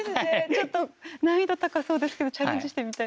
ちょっと難易度高そうですけどチャレンジしてみたいです。